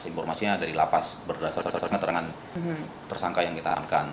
informasinya ada di lapas berdasarkan tersangka yang kita amankan